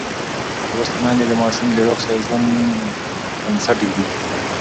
لوستې میندې د ماشوم د روغ ژوند بنسټ ږدي.